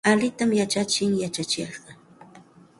Allintam yachachin yachachiqqa.